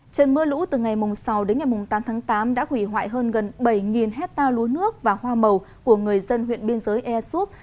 trần mưa lũ từ ngày mùng sáu đến ngày mùng tám tháng tám đã hủy hoại hơn gần bảy hectare lúa nước và hoa màu của người dân huyện biên giới air soup